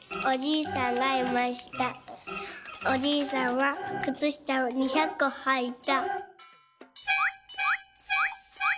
おじいさんはくつしたを２００こはいた」。